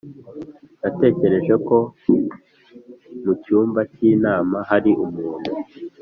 natekereje ko mucyumba cy'inama hari umuntu.